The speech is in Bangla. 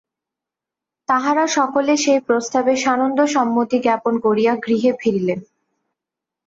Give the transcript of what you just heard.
তাঁহারা সকলে সেই প্রস্তাবে সানন্দ সম্মতি জ্ঞাপন করিয়া গৃহে ফিরিলেন।